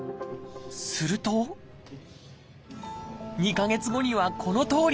すると２か月後にはこのとおり。